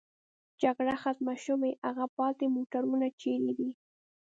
جګړه ختمه شوې، هغه پاتې موټرونه چېرې دي؟